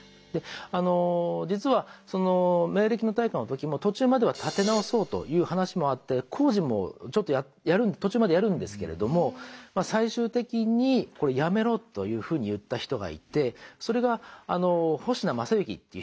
実は明暦の大火の時も途中までは建て直そうという話もあって工事も途中までやるんですけれども最終的にこれやめろというふうに言った人がいてそれが保科正之っていう人だったんですね。